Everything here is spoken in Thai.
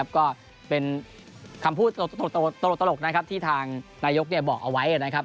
ก็เป็นคำพูดตลกที่ทางนายกเบาะเอาไว้